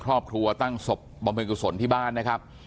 ครอบครัวตั้งศพบำเพ็ญกุศลที่บ้านนะครับ